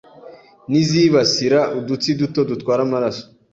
n’izibasira udutsi duto dutwara amaraso